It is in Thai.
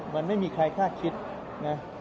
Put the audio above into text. มันไม่มีใครคาดคิดนะ